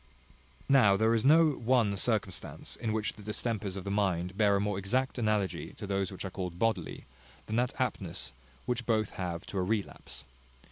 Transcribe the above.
Now there is no one circumstance in which the distempers of the mind bear a more exact analogy to those which are called bodily, than that aptness which both have to a relapse.